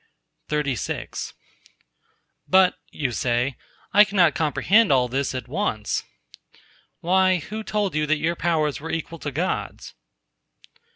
XXXVII "But," you say, "I cannot comprehend all this at once." "Why, who told you that your powers were equal to God's?"